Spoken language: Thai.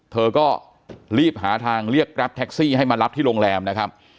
เธอก็รีบหาทางเรียกแกรปแท็กซี่ให้มารับที่โรงแรมนะครับ